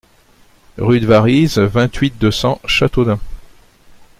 Rue de Varize, vingt-huit, deux cents Châteaudun